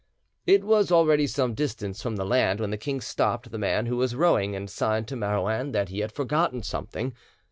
It was already some distance from the land when the king stopped the man who was rowing and signed to Marouin that he had forgotten something.